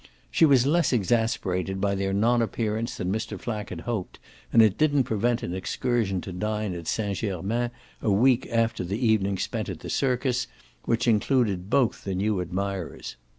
She was less exasperated by their non appearance than Mr. Flack had hoped, and it didn't prevent an excursion to dine at Saint Germain a week after the evening spent at the circus, which included both the new admirers.